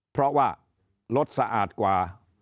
เพราะว่ารถสะอาดกว่า